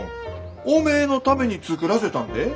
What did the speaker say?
おめえのために作らせたんでえ。